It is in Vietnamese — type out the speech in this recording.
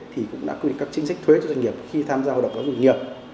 thì cũng đã quy định các chính sách thuế cho doanh nghiệp khi tham gia hoạt động giáo dục nghiệp